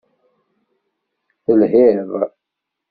Telhiḍ.